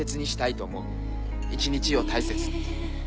一日を大切に。